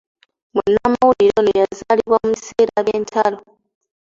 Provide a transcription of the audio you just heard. Munnamawulire ono yazaalibwa mu biseera by’entalo.